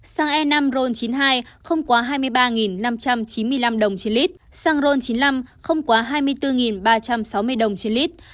xăng e năm ron chín mươi hai không quá hai mươi ba năm trăm chín mươi năm đồng trên lít xăng ron chín mươi năm không quá hai mươi bốn ba trăm sáu mươi đồng trên lít